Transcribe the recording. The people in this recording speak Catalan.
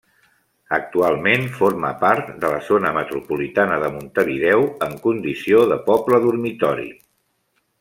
Actualment forma part de la zona metropolitana de Montevideo en condició de poble dormitori.